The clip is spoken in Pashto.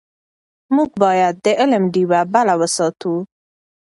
موږ باید د علم ډېوه بله وساتو.